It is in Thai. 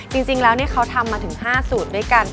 จริงแล้วเขาทำมาถึง๕สูตรด้วยกัน